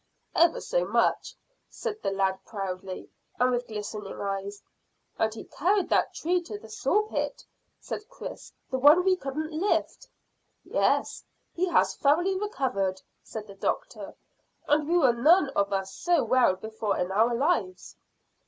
"Ever so much," said the lad proudly, and with glistening eyes. "And he carried that tree to the saw pit," said Chris; "the one we couldn't lift." "Yes, he has thoroughly recovered," said the doctor, "and we were none of us so well before in our lives."